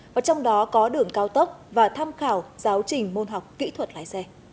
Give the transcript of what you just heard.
và trong đó có đường cao tốc và tham khảo giáo trình môn học kỹ thuật lái xe